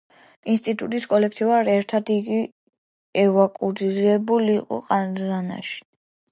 ინსტიტუტის კოლექტივთან ერთად იგი ევაკუირებულ იყო ყაზანში.